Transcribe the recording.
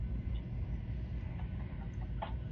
ډیجیټل ډیټا زموږ د ژبې لپاره یو حیاتي ارزښت لري.